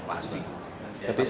tapi itu masih diperiksa